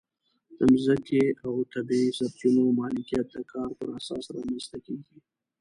د ځمکې او طبیعي سرچینو مالکیت د کار پر اساس رامنځته کېږي.